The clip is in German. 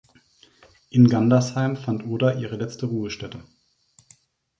In Gandersheim fand Oda ihre letzte Ruhestätte.